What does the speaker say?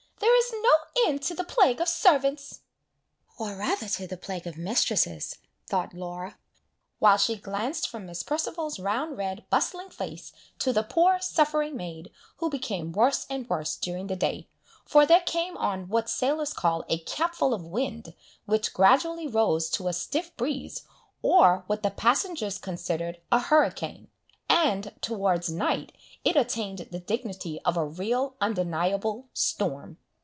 There is no end to the plague of servants!" "Or rather to the plague of mistresses!" thought Laura, while she glanced from Miss Perceval's round, red bustling face, to the poor suffering maid, who became worse and worse during the day, for there came on what sailors call "a capful of wind," which gradually rose to a "stiff breeze," or, what the passengers considered a hurricane; and, towards night, it attained the dignity of a real undeniable "storm."